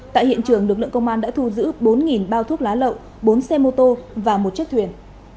tại hiện trường lực lượng công an đã thu giữ bốn bao thuốc lá lậu bốn xe mô tô và một chiếc thuyền